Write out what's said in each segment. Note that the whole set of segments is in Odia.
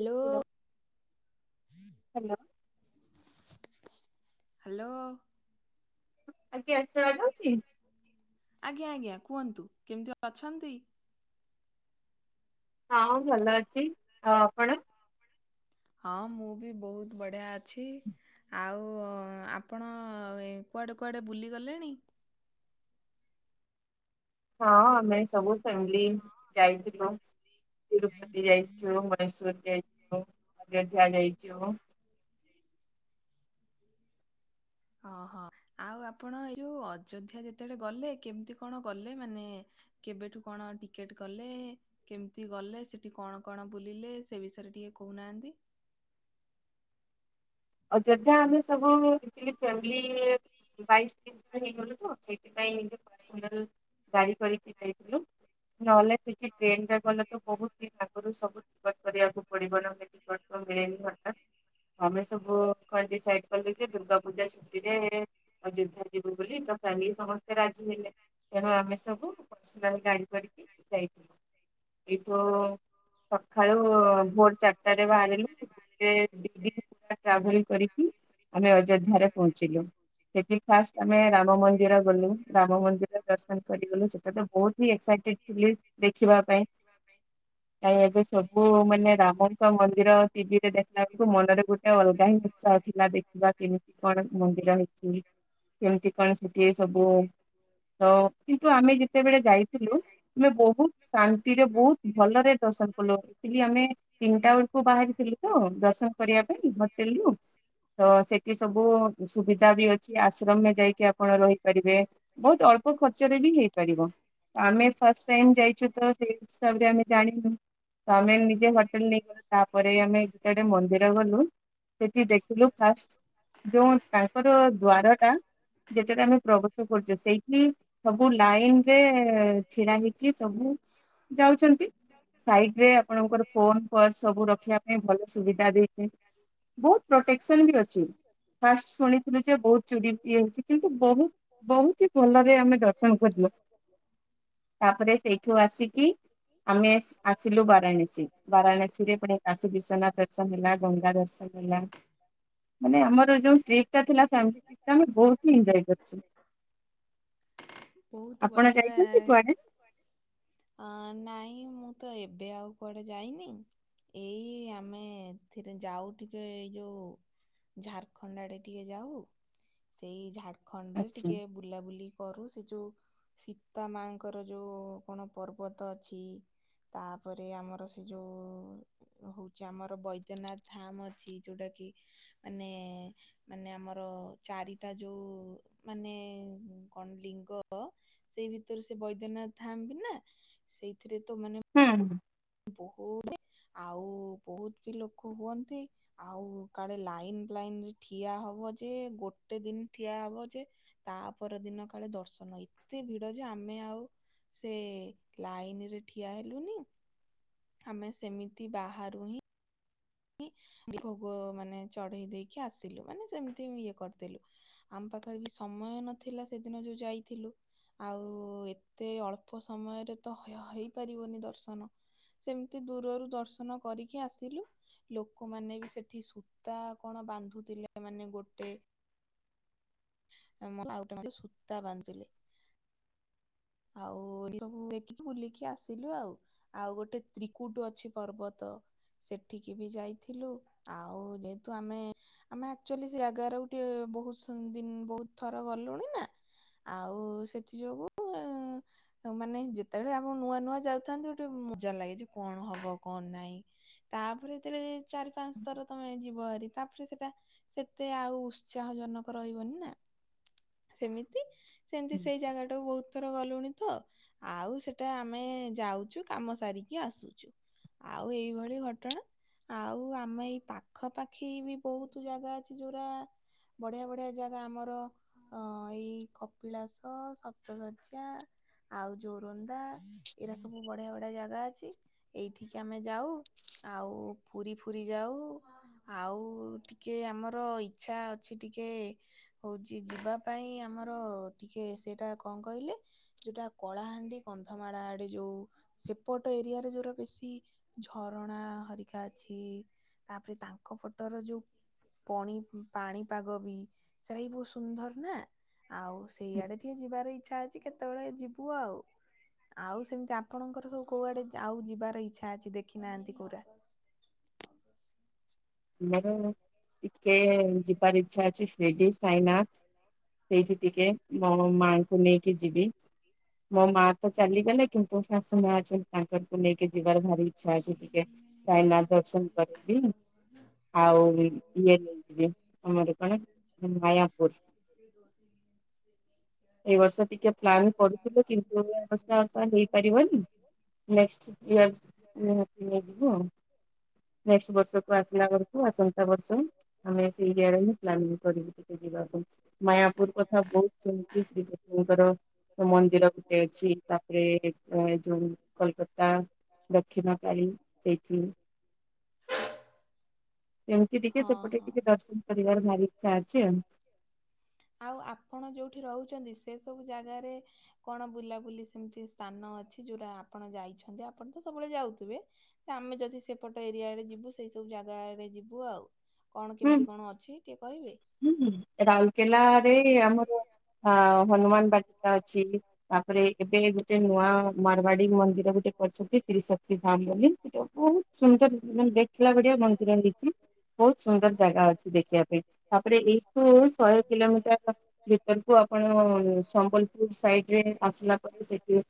ହାଲୋ। ହାଲୋ। ହାଲୋ। ଆଜ୍ଞା ଆଶୀର୍ବାଦ ଦଉଚି ଆଜ୍ଞା ଆଜ୍ଞା କୁହନ୍ତୁ କେମିତି ଅଛନ୍ତି? ହଁ ଭଲ ଅଛି ଆଉ ଆପଣ? ହଁ ମୁଁ ବି ବହୁତ ବଢ଼ିଆ ଅଛି। ଆଉ ଆପଣ ଏ କୁଆଡ଼େ କୁଆଡ଼େ ବୁଲିଗଲେଣି? ହଁ ଆମେ ସବୁ ଫ୍ୟାମିଲି ଯାଇଥିଲୁ। ତିରୁପତି ଯାଇଛୁ, ମୈସୋରେ ଯାଇଛୁ, ଅଯୋଧ୍ୟା ଯାଇଛୁ। ହଁ ହଁ ଆଉ ଆପଣ ଏଇ ଯୋଉ ଅଯୋଧ୍ୟା ଯେତେବେଳେ ଗଲେ କେମିତି କଣ ଗଲେ ମାନେ କେବେଠୁ କଣ ଟିକେଟ କଲେ? କେମିତି ଗଲେ ସେଠି କଣ କଣ ବୁଲିଲେ ସେ ବିଷୟରେ ଟିକେ କହୁନାହାନ୍ତି। ଅଯୋଧ୍ୟା ଆମେ ସବୁ ପୁରା ଫ୍ୟାମିଲି ବାଇଶ ତେଇଶ ହେଇଗଲୁ ତ ସେଇଥିପାଇଁ। ଗାଡ଼ି କରିକି ଯାଇଥିଲୁ ନହେଲେ ସେଠି ଟ୍ରେନ୍ ଟା ଭଲ ତ ବହୁତ ହି ଆଗରୁ ସବୁ କରିବାକୁ ପଡିବ ନା ସେତି ମିଳେନି ହଠତ୍ ହମ [unintelligible] ଶୁଭୁ କଣ ଯେ ସାଇଟ୍ କଲି ଯେ ଦୁର୍ଗା ପୂଜା ଛୁଟିରେ ଅଯୋଦ୍ଧ୍ୟା ଯିବୁ ବୋଲି ତ କାଲି ସମସ୍ତେ ରାଜି ହେଲେ, ତେଣୁ ଆମେ ସବୁ ପର୍ସନାଲ୍ ଗାଡି କରିକି ଯାଇଥିଲୁ ଏ ତୋ ସଖାଳୁ ଭୋର ଚାରି ଟାରେ ବାହାରିଲୁ ଗୋଟେ ଦି ଦ ଟ୍ରାଭେଲ୍ କରିକି ଆମେ ଅଯୋଧ୍ୟାରେ ପହଞ୍ଚିଲୁ। ସେଠି ଫାଷ୍ଟ ଆମେ ରାମ ମନ୍ଦିର ଗଲୁ, ରାମ ମନ୍ଦିର ଦର୍ଶନ କରି ଗଲୁ। ସେଟା ତ ବୋହୁତ୍ ହି ଏକ୍ସାଇଟ ଟିକ୍ ଥିଲି, ଦେଖିବା ପାଇଁ। ଆ ଏବେ ସବୁ ମାନେ ରାମଙ୍କ ମନ୍ଦିର ଟିଭିରେ ଦେଖିଲାଠୁ ମନରେ ଗୋଟେ ତ ଅଲଗା ହିଁ ଉତ୍ସାହ ଥିଲା। ଦେଖିବା କେମିତି କଣ ମନ୍ଦିର ହେଇଛି। କେମିତି କଣ ସେଠି ସବୁ, ତ କିନ୍ତୁ ଆମେ ଯେତେବେଳେ ଯାଇ ଥିଲୁ ଆମେ ବୋହୁତ୍ ଶାନ୍ତିରେ ବୋହୁତ୍ ଭଲରେ ଦର୍ଶନ କଲୁ। ଏତିକି ଆମେ ତିନିଟା ବେଳକୁ ବାହାରିଥିଲି ତ ଦଶ ଭାଇ ହୋଟେଲ୍ ରୁ ତ ସେଠି ସବୁ ସୁବିଧା ବି ଅଛି ଆଶ୍ରମରେ ଯାଇକି ଆପଣ ରହିପାରିବେ ବୋହୁତ୍ ଅଳ୍ପ ଖର୍ଚ୍ଚରେ ବି ହେଇପାରିବ। ଆମେ ଫାଷ୍ଟ ଟାଇମ୍ ଯାଇଛୁ ତ ସେଇ ହିସାବରେ ଆମେ ଜାଣିନୁ ତ ଆମେ ନିଜେ ହୋଟେଲ ନେଇଗଲୁ, ତାପରେ ଆମେ ଗୁଟେ ଗୋଟେ ମନ୍ଦିର ଗଲୁ ସେଠି ଦେଖିଲୁ ଫାଷ୍ଟ ଯୋଉ ତାଙ୍କର ଦ୍ଵାର ଟା ଯେତେଟା ଆମେ ପ୍ରଗତି କରୁଛେ, ସେଇଠି ସବୁ ଲାଇନ୍ ରେ ଛିଡା ହେଇକି ସବୁ ଯାଉଛ ନ୍ତି। ସାଇଟ୍ ରେ ଆପଣଙ୍କର ଫୋନ୍, ପର୍ସ ସବୁ ରଖିବା ପାଇଁ ଭଲ ସୁବିଧା ଦେଇଛି ବୋହୁତ୍ ପ୍ରୋଟେକ୍ସନ ବି ଅଛି। ଫାଷ୍ଟ ଶୁଣିଥିଲୁ ଯେ ବୋହୁତ୍ ଚୋରି ହେଇଛି, କିନ୍ତୁ ବହୁତ ବହୁତି ଭଲରେ ଆମେ ଦର୍ଶନ କରିଲୁ। ତାପରେ ସେଇଠୁ ଆସିକି ଆମେ ଆସିଲୁ ବାରାଣସୀ। ବାରାଣସୀ ରେ କାଶୀ ବିଶ୍ୱନାଥ ଦର୍ଶନ ହେଲା ଗଙ୍ଗା ଦର୍ଶନ ହେଲା। ମାନେ ଆମର ଯୋଉ ଟ୍ରିପ୍ ଥିଲା, ଫ୍ୟାମିଲି ଟ୍ରିପ୍ ଟା ଆମେ ବହୁତି ହି ଏନ୍ଜୟ କରିୁଛୁ। ବୋହୁତ୍ ବଢିଆ ରେ ଆ ନାଇଁ ମୁଁ ତ ଏବେ ଆଉ କୁଆଡେ ଯାଇନି ଏଇ ଆମେଥିରେ ଯାଉ ଟିକେ ଏଇ ଯୋଉ ଝାରଖଣ୍ଡ ଆଡେ ଟିକେ ଯାଉ। ସେଇ ଝାଡଖଣ୍ଡ ରେ ଟିକେ ବୁଲାବୁଲି କରୁ। ସେ ଯୋଉ ସୀତା ମାଙ୍କର ଯୋଉ କଣ ପର୍ବତ ଅଛି ତାପରେ ଆମର ସେ ଯୋଉ ହଉଛି ଆମର ବୈଦ୍ୟନାଥ ଧାମ୍ ଅଛି। ଯୋଉଟା କି ମାନେ ମାନେ ଆମର ଚାରିଟା ଯୋଉ ମାନେ କଣ ଲିଙ୍ଗ ସେଇ ଭିତରୁ ସେ ବୈଦ୍ୟନାଥ ଧାମ୍ ବି ନା ସେଇଥିରେ ତ ମାନେ ହୁଁ। ବୋହୁତ୍ ଆଉ, ବୋହୁତ୍ ବି ଲୋକ ହୁଅନ୍ତି। ଆଉ କାଳେ ଲାଇନ୍ ଲାଇନ୍, ରେ ଠିଆ ହବ ଯେ, ଗୋଟେ ଦିନ ଠିଆ ହବ ଯେ ତା ପରଦିନ କାଳେ ଦର୍ଶନ। ଏତେ ଭିଡ ଯେ ଆମେ ଆଉ ସେ ଲାଇନ୍ ରେ ଠିଆ ହେଲୁନି ଆମେ ସେମିତି ବାହାରୁ ହିଁ ଭୋଗ ମାନେ ଚଢେଇ ଦେଇକି ଆସିଲୁ, ମାନେ ସେମିତି ଇଏ କରିଦେଲୁ ଆମ ପାଖରେ ବି ସମୟ ନଥିଲା ସେଦିନ ଯୋଉ ଯାଇଥିଲୁ ଆଉ ଏତେ ଅଳ୍ପ ସମୟରେ ତ ହଇ- ହେଇପାରିବନି ଦର୍ଶନ ସେମିତି ଦୂରରୁ ଦର୍ଶନ କରିକି ଆସିଲୁ। ଲୋକମାନେ ବି ସେଠି ସୂତା କଣ ବାନ୍ଧୁଥିଲେ ମାନେ ଗୋଟେ ଆମର ଆଉ ଗୋଟେ ସୂତା ବାନ୍ଧିଲି। ଆଉ ଏଇ ସବୁ ଦେଖିକି ବୁଲିକି ଆସିଲୁ ଆଉ। ଆଉ ଗୋଟେ ତ୍ରିକୁଟୁ ଅଛି ପର୍ବତ। ସେଠିକି ବି ଯାଇଥିଲୁ। ଆଉ ଯେହେତୁ ଆମେ ଆମେ ଆକ୍ଚୁଆଲି ସେ ଜାଗାଉରାକୁ ଟେ ବହୁତ ଦିନ ବହୁତ ଥର ଗଲୁଣି ନା ଆଉ ସେଥିଯୋଗୁ ଆ ମାନେ ଯେତେବେଳେ ଆମ ନୂଆ ନୂଆ ଯାଉଥାନ୍ତି ଗୋଟେ ମଜା ଲାଗେ ଯେ କଣ ହବ କଣ ନାଇଁ। ତାପରେ ଏଥିରେ ଚାରି ପାଞ୍ଚ ଥର ତମେ ଯିବ ହାରି ତାପରେ ସେଟା ସେତେ ଆଉ ଉତ୍ସାହ ଜନକ ରହିବନି ନା ସେମତି ସେମିତି ସେଇ ଜାଗା ଟାକୁ ବହୁତ ଥର ଗଲୁଣି ତ ଆଉ ସେଟା ଆମେ ଯାଉଚୁକାମ ସାରିକି ଆସୁଛୁ। ଆଉ ଏଇଭଳି ଘଟଣା ଆଉ ଆମେ ଏଇ ପାଖପାଖି ବି ବହୁତ ଜାଗା ଅଛି ଯୋଉରା ବଢିଆ ବଢିଆ ଏ ଯାାଗା ଆମର ଅ ଏଇ କପିଳାସ ସପ୍ତ ଶଯ୍ୟା ଆଉ ଯୋରନ୍ଦା ଏଇରା ସବୁ ବଢିଆ ବଢିଆ ଜାଗା ଅଛି। ଏଇଠିକି ଆମେ ଯାଉ ଆଉ ପୁରୀ ଫୁରିୀ ଯାଉ। ଆଉ ଟିକେ ଆମର ଇଚ୍ଛା ଅଛି ଟିକେ ହଉଛି ଯିବା ପାଇଁ ଆମର ଟିକେ ସେଇଟା କଣ କହିଲେ। ଯୋଉଟା କଳାହାଣ୍ଡି କନ୍ଧମାଳ ଆଡେ ଯୋଉ ସେପଟ ଏରିଆରେ ଯୋଉରା ବେଶୀ ଝରଣା ହରିକା ଅଛି ତାପରେ ତାଙ୍କ ଫଟୋର ଯୋଉ ପଣି ପାଣିପାଗ ବି ସେଟା ବହୁତ ସୁନ୍ଦର ନା ଆଉ ସେଇଆଡେ ଟିକେ ଯିବାର ଇଚ୍ଛା ଅଛି କେତେ କେତେବେଳେ ଯିବୁ ଆଉ। ଆଉ ସେମିତି ଆପଣଙ୍କର ସବୁ କୋଉଆଡେ ଆଉ ଯିବାର ଇଚ୍ଛା ଅଛି ଦେଖି ନାହାନ୍ତି କଉରା? ମୋର ଟିକେ ଯିବାର ଇଚ୍ଛା ଅଛି ସିଡି ସାଇନାଥ। ସେଇଠି ଟିକେ ମୋ ମାଙ୍କୁ ନେଇକି ଯିବି। ମୋ ମା ତ ଚାଲିଗଲେ କିନ୍ତୁ ଶାଶୁମା ଅଛନ୍ତି ତାଙ୍କରକୁ ନେଇକି ଯିବାର ଭାରି ଆଚ୍ଛା ଆଚ୍ଛା ଟିକେ ସାଇନାଥ ଦର୍ଶନ କରବି। [unintelligible] [inaudible] ଏଇ ବର୍ଷ ଟିକେ ପ୍ଲାନ୍ କରୁଥିଲେ କିନ୍ତୁ ଏବର୍ଷ ହେଇପାରିବନି। ନେଷ୍ଟ ଇୟର ନେଟିକେ ଯିବୁ ଆଉ। ଜେଷ୍ଟ ବର୍ଷ। ଛୁଆ ପିଲା ଘରକୁ ଆସନ୍ତା ବର୍ଷ। ଆମେ ସେଇ ଇଆାରେ ରହିମୁ ପ୍ଲାନଂ କରିବୁ ଟିକେ ଯିବାକୁ ମାୟାପୁର କଥା ବହୁତ ଶୁଣିଚି ଙ୍କର ମନ୍ଦିର ଗୋଟେ ଅଛି ତାପରେ ଯୋଉ କୋଲକାତା। ଦକ୍ଷିଣକାଳି ସେଠି ଏମତି ଟିକେ ସେପଟେ ଟିକେ ଦର୍ଶନ କରିବାର ଭାରି ଇଚ୍ଛା ଅଛି ଆଉ। ଆଉ ଆପଣ ଯୋଉଠି ରହୁଛନ୍ତି ସେ ସବୁ ଜାଗାରେ କଣ ବୁଲାବୁଲି ସେମତି ସ୍ଥାନ ଅଛି ଯୋଉଟା ଆପଣ ଯାଇଛନ୍ତି ଆପଣ ତ ସବୁବେଳେ ଯାଉଥିବେ। ଆମେ ଯଦି ସେପଟ ଏରିଆ ରେ ଯିବୁ ସେଇ ସବୁ ଜାଗା ଆଡେ ଯିବୁ ଆଉ। କଣ କେମିତି କଣ ଅଛି ଟିକେ କହିବେ। ହୁଁ ରାଉରକେଲା ରେ ଆମର ଅ ହନୁମାନ ବାଟିକା ଅଛି। ତାପରେ ଏବେ ଗୋଟେ ନୂଆ ମାରବାଡି ମନ୍ଦିର ଗୋଟେ କରଛନ୍ତି ତ୍ରିଶ [inaudible] ବୋଲି ସେ ବହୁତ ସୁନ୍ଦର ମାନେ ଦେଖିଲା ଭଳିଆ ମନ୍ଦିର ହେଇଛି। ସୁନ୍ଦର ଜାଗା ଅଛି ଦେଖିବା ପାଇଁ ତାପରେ ଏଇଠୁ ଶହେ କିଲୋମିଟର ଭିତରକୁ ଆପଣ ସମ୍ବଲପୁର ସାଇଡରେ ଆସିଲା ପରେ ସେଠି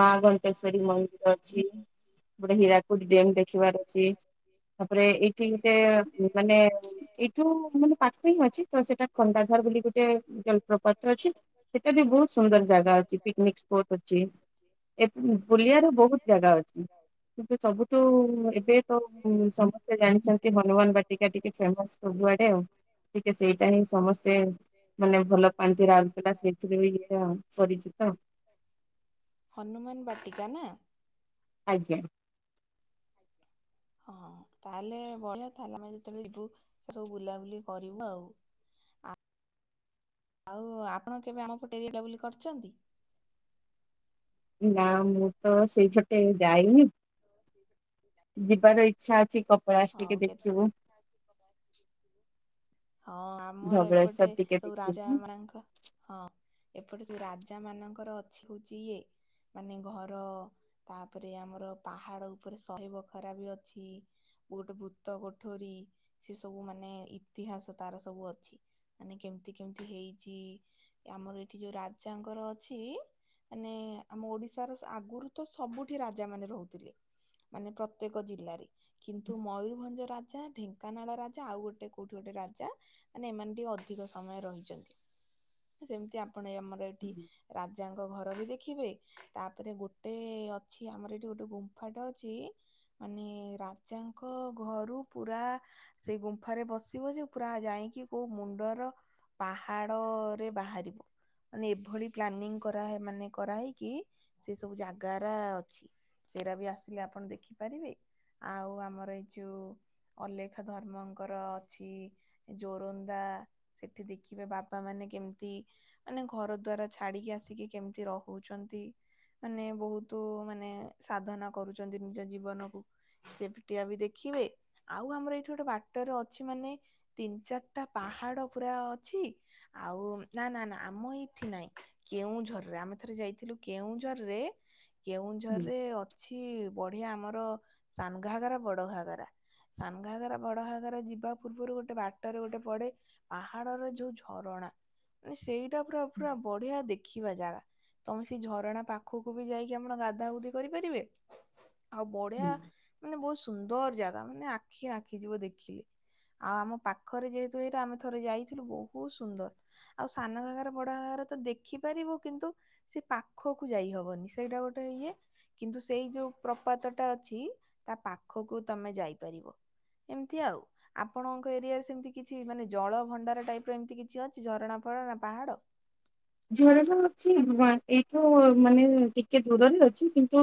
ମା ଘଣ୍ଟେଶ୍ଵରୀ ମନ୍ଦିର ଅଛି। ତାପରେ ହୀରାକୁଦ ଡ୍ୟାମ୍ ଦେଖିବାର ଅଛି ତାପରେ ଏଇଠି ଗୋଟେ ମାନେ ଏଇଠୁ ମାନେ ପାଖରେ ହିଁ ଅଛି ତ ସେଇଟା ଖଣ୍ଡାଧାର ବୋଲି ଗୋଟେ ଜଳପ୍ର ପ୍ର ଅଛି ସେଟା ବି ବହୁତ ସୁନ୍ଦର ଜାଗା ଅଛି ପିକନିକ ସ୍ପଟ ଅଛି। ଏ ବୁଲିଆ ର ବହୁତ ଜାଗା ଅଛି। କିନ୍ତୁ ସବୁଠୁ ଏବେ ତ ସମସ୍ତେ ଜାଣିଛନ୍ତି ହନୁମାନ ବାଟ ଟିକେ ଟିକେ ଫେମସ ସବୁଆଡେ। ଆଉ ଟିକେ ସେଇଟା ହିଁ ସମସ୍ତେ ମାନେ ଭଲ ପ୍ଲାଣ୍ଟ ରାଉଲକେଲା ସେଇଥିପାଇଁ ବିହେରା ପରିଚିତ। ହନୁମାନ ବାଟିକା ନା ଆଜ୍ଞା। ହଁ ତାହେଲେ ବଢଆ। ତାହେଲେ ଆମେ ଯେତେବେଳେ ଯିବୁ ସେ ସବୁ ବୁଲାବୁଲି କରିବୁ ଆଉ। ଆପ ଆଉ ଆପଣ କେବେ ଆମ ପଟେ ବୁଲା ବୁଲି କରି ଚ଼ନ୍ତି। ନା ମୁଁ ତ ସେଇପଟେ ଯାଇନି। ଯିବାର ଇଛା ଅଛି କପିଳାସ ଟିକେ ଦେଖିବୁ। ହଁ ଆମର ଏପଟେ ସବୁ ରାଜା ମାନଙ୍କ ହଁ। ଏପଟେ ଯୋଉ ରାଜା ମାନଙ୍କର ଅଛି। ହଉଛି ଇଏ ମାନେ ଘର ତା ପରେ ଆମର ପାହାଡ ଉପରେ ଶହେ ବଖରା ବି ଅଛି। ଗୋଟେ ଭୂତ କୋଠରୀ। ସେ ସବୁ ମାନେ ଇତିହାସ ତାର ସବୁ ଅଛି। ମାନେ କେମିତି କେମିତି ହେଇଚି। ଆମର ଏଠି ଯୋଉ ରାଜାଙ୍କର ଅଛି। ମାନେ ଆମ ଓଡିଶାର ଆଗରୁ ତ ସବୁଠି ରାଜା ମାନେ ରହୁଥିଲେ। ମାନେ ପ୍ରତ୍ୟେକ ଜିଲ୍ଲାରେ କିନ୍ତୁ ମୟରଭଞ୍ଜ ରାଜା, ଢେଙ୍କାନାଳ ରାଜା। ଆଉ ଗୋଟେ କୋଉଠି ଗୋଟେ ରାଜା ମାନେ ଏମାନେ ବି ଅଧିକ ସମୟ ରହି ଚ଼ନ୍ତି। ସେମିତି ଆପଣ ଆମର ଏଠି ଯାଙ୍କ ଘର ବି ଦେଖିବେ। ତାପରେ ଗୋଟେ ଅଛି ଆମର ଏଠି ଗୋଟେ ଗୁମ୍ଫାଟା ଅଛି। ମାନେ ରାଜାଙ୍କ ଘରୁ ପୁରା ସେ ଗୁମ୍ଫାରେ ବସି ଥିବ ଯେ ପୁରା ଯାଇଁକି କୋଉ ମୁଣ୍ଡର ପାହାଡ ରେ ବାହାରିବ। ମାନେ ଏଭଳି ପ୍ଲାନିଂ କରାହ ମାନେ କରାହେଇକି ସେ ସବୁ ଜାଗାରା ଅଛି। ଚେହରା ବି ଆସିଲେ ଆପଣ ଦେଖିପାରିବେ। ଆଉ ଆମର ଏଇ ଯଉଁ ଅଲେଖା ଧର୍ମଙ୍କର ଅଛି ଜୋରନ୍ଦା ସେଠି ଦେଖିବେ ବାବା ମାନେ କେମତି ମାନେ ଘର ଦ୍ଵାରା ଛାଡିକି ଆସିକି କେମିତି ରହୁଚନ୍ତି। ମାନେ ବହୁତୁ ମାନେ ସାଧନା କରୁଚନ୍ତି ନିଜ ଜୀବନକୁ। ସେ ପିଟିଆ ବି ଦେଖିବେ। ଆଉ ଆମର ଏଇଠି ଗୋଟେ ବାଟରେ ଅ ଛି ମାନେ ତିନି ଚାରିଟା ପାହାଡ ପୁରା ଅଛି। ଆଉ ନା ନା ନା ଆମ ଏଇଠି ନାଇଁ। କେଉଁଝରରେ ଆମେ ଥରେ ଯାଇଥିଲୁ କେଉଁଝରରେ କେଉଁଝରରେ ଅ ଛି ବଢିଆ ଆମର ସାନ ଘାଗରା ବଡ ଘାଗରା। ସାନଘାଗରା ବଡଘାଗରା ଯି ବା ପୂର୍ବରୁ ଗୋଟେ ବାଟରେ ଗୋଟେ ପଡେ ପାହାଡର ଯୋଉ ଝରଣା ମାନେ ସେଇ ପୁରା ପୁରା ପୁରା ବଢିଆ ଦେଖି ବା ଜାଗା ତମେ ସେଇ ଝରଣା ପାଖୁକୁ ବି ଯାଇକି ଆପଣ ଗାଧା ଗୁଧି କରିପାରିବେ। ଆଉ ବଢିଆ ମାନେ ବହୁତ ସୁନ୍ଦର ଜାଗା ମାନେ ଆଖି ଆଖି ଯିବ ଦେଖିଲେ। ଆଉ ଆମ ପାଖରେ ଯେହେତୁ ଏଇରା ଆମେ ଥରେ ଯାଇଥିଲୁ ବହୁତ୍ ସୁନ୍ଦର। ଆଉ ସାନ ଘାଗରା ବଡ ଘାଗରେ ତ ଦେଖିପାରିବୁ। କିନ୍ତୁ ସେ ପାଖକୁ ଯାଇ ହବନି। ସେଇଟା ଗୋଟେ ଇଏ। କିନ୍ତୁ ସେଇ ଯୋଉ ପ୍ରପାତ ଟା ଅଛି ତା ପାଖକୁ ତମେ ଯାଇପାରିବ। ଏମିତି ଆଉ। ଆପଣଙ୍କ ଏରିଆରେ ସେମିତି କିଛି ମାନେ ଜଳ ଭଣ୍ଡାର ଟାଇପ୍ ର ଏମିତି କିଛି ଅଛି ଝରଣା ଫରଣା ପାହାଡ଼? ଝରଣା ଅଛି ଏଇଠୁ ମାନେ ଟିକେ ଦୂରରେ ଅଛି। କିନ୍ତୁ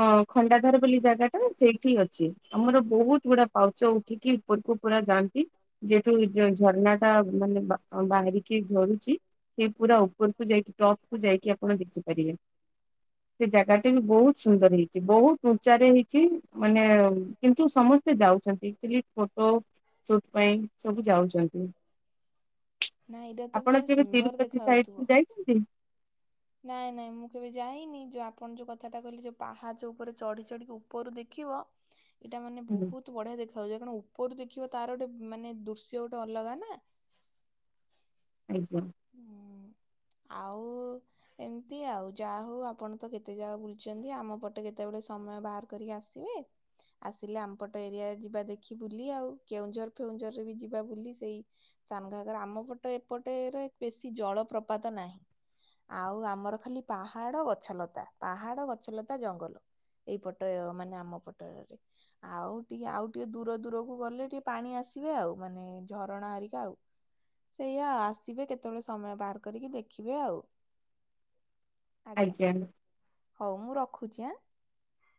ଅ ଖଣ୍ଡାଧର ବୋଲି ଜାଗା ଟା ସେଇଠି ଅଛି ଆମର ବହୁତ୍ ଗୁଡା ପାଉଚ ଉଠିକି ଉପରକୁ ପୁରା ଯାଆନ୍ତି। ଯେହେତୁ ଯେ ଝରଣା ଟା ମାନେ ବା-ବାହାରିକି ଝରୁଚି ସେ ପୁରା ଉପରକୁ ଯାଇକି ଟପ୍ କୁ ଯାଇକି ଆପଣ ଦେଖିପାରିବେ। ସେ ଜାଗାଟି ବି ବହୁତ୍ ସୁନ୍ଦର ହେଇଚି ବହୁତ୍ ଉଞ୍ଚାରେ ହେଇଚି। ମାନେ କି କିନ୍ତୁ ସମସ୍ତେ ଯାଉଚନ୍ତି। ପ୍ରି ଫଟୋ ସୁଟ ପାଇଁ ସବୁ ଯାଉଚନ୍ତି। ନା ଏଇଟା ତ ବଢିଆ ସୁନ୍ଦର ଦେଖା ହଉଥୁବ। ଯାଇଚନ୍ତି? ନାଇଁ ନାଇଁ ମୁଁ କେବେ ଯାଇନି ଯୋଉ ଆପଣ ଯୋଉ କଥାଟା କଇଲେ ଯୋଉ ପାହାଚ ଉପରେ ଚଢି ଚଢିକି ଉପରୁ ଦେଖିବ ଏଇଟା ମାନେ ବୋହୁତ ବଢିଆ ଦେଖାଉଚି ଏରା କାଣ ଉପରୁ ଦେଖିବ ତାର ଗୋଟେ ମାନେ ଦୃଶ୍ୟ ଗୋଟେ ଅଲଗା ନା। ଆଜ୍ଞା। ହୁଁ ଆଉ। ଏମିତି ଆଉ ଯାହା ହଉ ଆପଣ ତ କେତେ ଜାଗା ବୁଲିଚନ୍ତି ଆମ ପଟେ କେତେବେଳେ ସମୟ ବାହାର କରିକି ଆସିବେ। ଆସିଲେ ଆମପଟ ଏରିଆ ଯିବା ଦେଖି ବୁଲି ଆଉ କେଉଁଝର ଫେଉଁଝର ରେ ବି ଯିବା ବୁଲି ସେଇ ସାନଘାଗରା ଆମ ପଟ ଏପଟେରେ ବେଶୀ ଜଳ ପ୍ରପାତ ନାହିଁ। ଆଉ ଆମର ଖାଲି ପାହାଡ଼ ଗଛଲତା ପାହାଡ଼ ଗଛଲତା ଜଙ୍ଗଲ। ଏଇ ପଟ ମାନେ ଆମ ପଟରେ। ଆଉ ଟିକେ ଆଉ ଟିକେ ଦୂର ଦୂରକୁ ଗଲେ ଟିକେ ପାଣି ଆସିବେ ଆଉ ମାନେ ଝରଣା ହେରିକା ଆଉ। ସେଇଆ ଆସିବେ କେ କେତେବେଳେ ସମୟ ବାହାର କରିକି ଦେଖିବେ ଆଉ ଆଜ୍ଞା। ହଉ ମୁଁ ରଖୁଚି ଆଁ।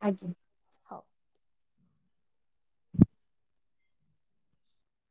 ଆଜ୍ଞା।